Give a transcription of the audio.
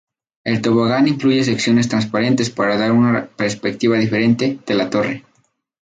El tobogán incluye secciones transparentes para dar una "perspectiva diferente" de la torre.